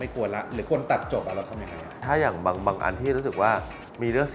ไม่กลัวแล้วหรือควรตัดจบอะไรต้องอะไรถ้าอย่างบางบางอันที่รู้ถึกว่ามีเรื่อง